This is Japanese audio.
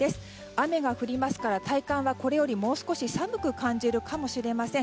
雨が降りますから体感がこれよりもう少し寒く感じるかもしれません。